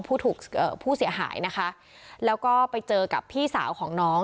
ผู้เสียหายนะคะแล้วก็ไปเจอกับพี่สาวของน้อง